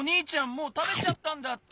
もうたべちゃったんだって。